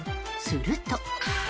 すると。